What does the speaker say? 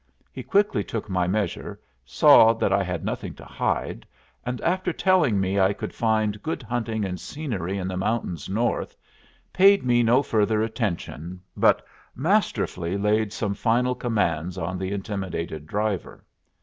He quickly took my measure, saw that I had nothing to hide, and after telling me I could find good hunting and scenery in the mountains north, paid me no further attention, but masterfully laid some final commands on the intimidated driver.